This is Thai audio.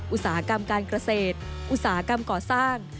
อุตสาหกรรมการเกษตรอุตสาหกรรมก่อสร้าง